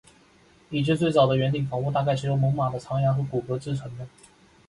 已知最早的圆顶房屋大概是用猛犸的长牙和骨骼制成的。